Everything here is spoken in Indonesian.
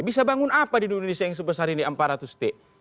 bisa bangun apa di indonesia yang sebesar ini empat ratus t